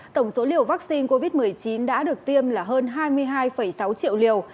tổng số liều vaccine covid một mươi chín đã được tiêm là hơn hai mươi hai sáu triệu liều